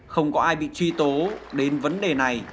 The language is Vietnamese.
không có ai bị truy tố đến vấn đề này